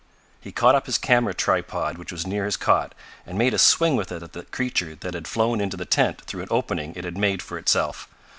He caught up his camera tripod which was near his cot, and made a swing with it at the creature that had flown into the tent through an opening it had made for itself.